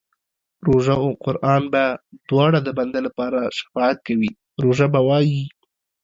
روژه او قران به دواړه د بنده لپاره شفاعت کوي، روژه به وايي